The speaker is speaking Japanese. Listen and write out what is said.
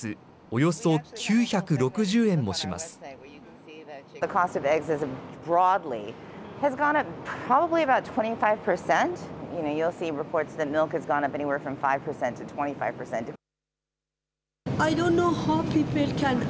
およそ９６０円もします。